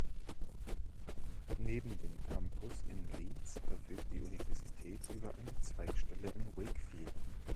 Neben dem Campus in Leeds verfügt die Universität über eine Zweigstelle in Wakefield.